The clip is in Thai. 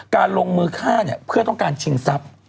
ลงมือฆ่าเนี่ยเพื่อต้องการชิงทรัพย์